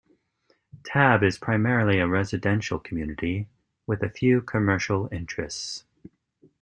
Tabb is primarily a residential community, with a few commercial interests.